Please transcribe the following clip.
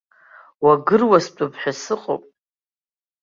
Уагыруастәып ҳәа сыҟоуп!